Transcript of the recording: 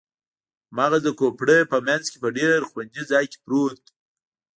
مغز د کوپړۍ په مینځ کې په ډیر خوندي ځای کې پروت دی